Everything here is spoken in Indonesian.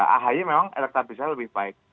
ahy memang elektabilitasnya lebih baik